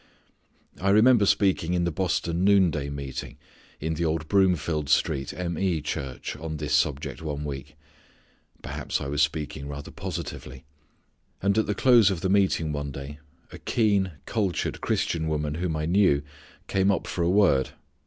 I remember speaking in the Boston noonday meeting, in the old Broomfield Street M. E. Church on this subject one week. Perhaps I was speaking rather positively. And at the close of the meeting one day a keen, cultured Christian woman whom I knew came up for a word.